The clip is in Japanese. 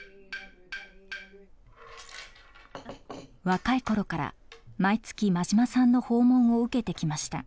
若い頃から毎月馬島さんの訪問を受けてきました。